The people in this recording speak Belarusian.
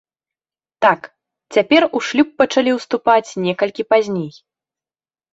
Так, цяпер у шлюб пачалі ўступаць некалькі пазней.